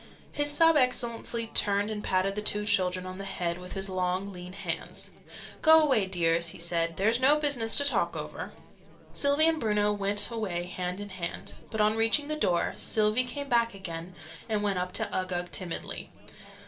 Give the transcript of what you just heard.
His Sub Excellency turned and patted the two children on the head with his long lean hands. "Go away, dears!" he said. "There's business to talk over." Sylvie and Bruno went away hand in hand: but, on reaching the door, Sylvie came back again and went up to Uggug timidly.